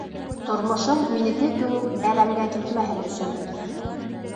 Тормошоң минеке кеүек әрәмгә китмәһен өсөн.